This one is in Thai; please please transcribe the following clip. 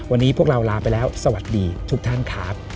วันนี้พวกเราลาไปแล้วสวัสดีทุกท่านครับ